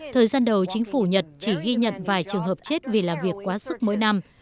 thời gian đầu chính phủ nhật chỉ ghi nhận vài trường hợp chết vì làm việc quá sức mỗi năm